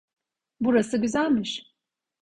Burası güzelmiş.